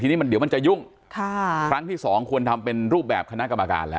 ทีนี้มันเดี๋ยวมันจะยุ่งค่ะครั้งที่สองควรทำเป็นรูปแบบคณะกรรมการแล้ว